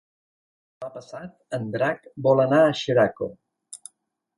Demà passat en Drac vol anar a Xeraco.